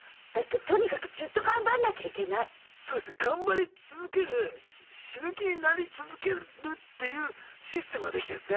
頑張り続ける死ぬ気になり続けるっていうシステムができてるんですね。